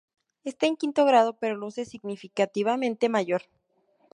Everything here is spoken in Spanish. Está en quinto grado, pero luce significativamente mayor.